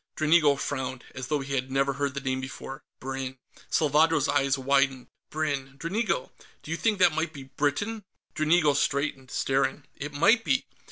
Dranigo frowned, as though he had never heard the name before. "Brinn." Salvadro's eyes widened. "Brinn, Dranigo! Do you think that might be Britain?" Dranigo straightened, staring, "It might be!